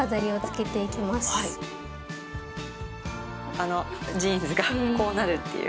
あのジーンズがこうなるっていう。